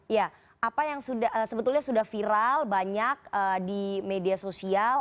ya apa yang sebetulnya sudah viral banyak di media sosial